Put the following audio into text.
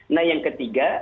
nah yang ketiga